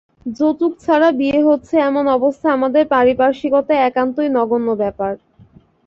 যৌতুক ছাড়া বিয়ে হচ্ছে এমন অবস্থা আমাদের পারিপার্শ্বিকতায় একান্তই নগণ্য ব্যাপার।